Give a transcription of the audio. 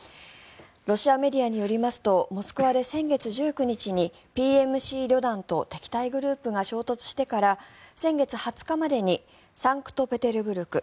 ロシアメディアによりますとモスクワで先月１９日にＰＭＣリョダンと敵対グループが衝突してから先月２０日までにサンクトペテルブルク